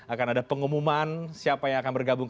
akan ada pengumuman siapa yang akan bergabung